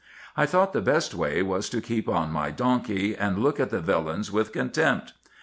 I thought the best way was to keep on my donkey, and look at the villains with contempt.